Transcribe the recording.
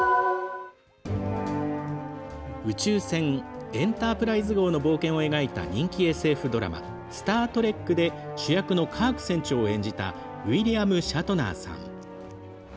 宇宙船エンタープライズ号の冒険を描いた人気ＳＦドラマ「スター・トレック」で主役のカーク船長を演じたウィリアム・シャトナーさん。